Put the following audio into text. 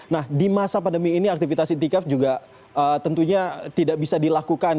nah di masa pandemi ini aktivitas itikaf juga tentunya tidak bisa dilakukan